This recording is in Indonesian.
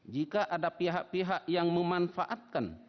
jika ada pihak pihak yang memanfaatkan